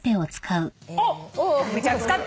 おっ！